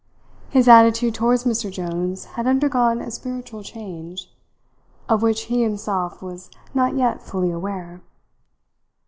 His attitude towards Mr. Jones had undergone a spiritual change, of which he himself was not yet fully aware.